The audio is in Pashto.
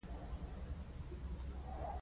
تاسې به ډزې پيل کړئ.